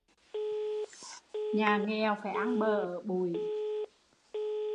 Nhà nghèo phải ăn bờ ở bụi